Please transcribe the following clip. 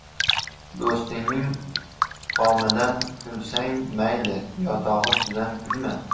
• Do‘stingning tomidan kulsang mayli, yotog‘i ustidan kulma.